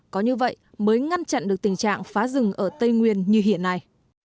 có như vậy mới ngăn chặn được tình trạng phá rừng ở tây nguyên như hiện nay